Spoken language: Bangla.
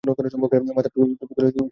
মাথার টুপি খুলে টেবিলে রেখেছিলেন।